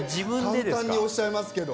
簡単におっしゃいますけど。